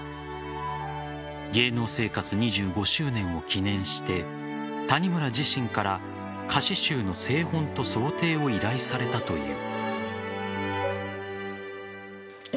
芸能生活２５周年を記念して谷村自身から歌詞集の製本と装丁を依頼されたという。